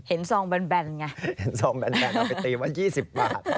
ซองแบนไงเห็นซองแบนเอาไปตีว่า๒๐บาท